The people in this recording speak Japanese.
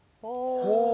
ほう。